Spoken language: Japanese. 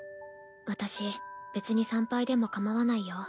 私別に産廃でもかまわないよ。